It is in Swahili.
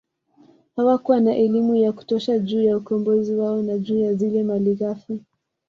Hawakuwa na elimu ya kutosha juu ya ukombozi wao na juu ya zile malighafi